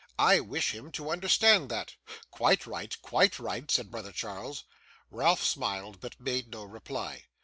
I wish him to understand that.' 'Quite right, quite right,' said brother Charles. Ralph smiled, but made no reply.